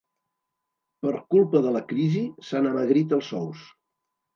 Per culpa de la crisi s'han amagrit els sous.